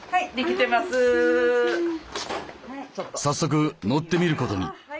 早速乗ってみることに。